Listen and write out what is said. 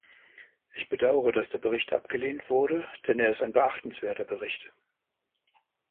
Ich bedauere, dass der Bericht abgelehnt wurde, denn er ist ein beachtenswerter Bericht.